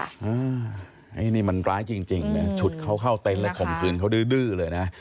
อ้าวไอ้นี่มันร้ายจริงเนี่ยฉุดเข้าเข้าเต็มแล้วข่มคืนเขาดื้อเลยนะ